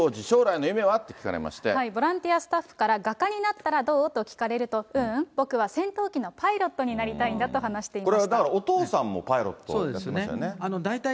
で、ボランティアスタッフから画家になったらどう？って聞かれると、ううん、僕は戦闘機のパイロットになりたいんだって話していました。